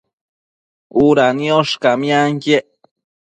Uda niosh camianquiec